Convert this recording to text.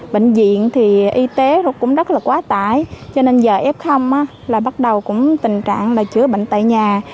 bệnh viện thì y tế cũng rất là quá tải cho nên giờ f là bắt đầu cũng tình trạng là chữa bệnh tại nhà